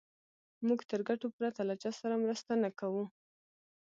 موږ تر ګټو پرته له چا سره مرسته نه کوو.